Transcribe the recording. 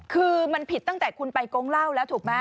คือมันผิดตั้งแต่คุณไปโกงเหล้าแล้วถูกไหม